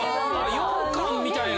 ようかんみたいな。